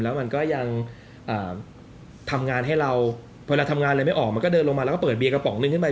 แล้วมันก็ยังทำงานให้เราเวลาทำงานอะไรไม่ออกมันก็เดินลงมาแล้วก็เปิดเบียร์กระป๋องนึงขึ้นไป